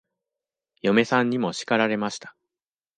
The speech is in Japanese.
嫁さんにも叱られました。